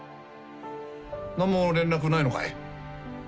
何も連絡ないのかい？